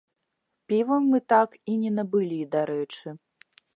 Піва мы так і не набылі, дарэчы.